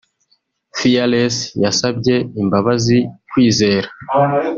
Fearless yasabye imbabazi Kwizera